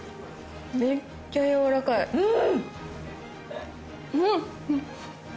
めっちゃやわらかいうん！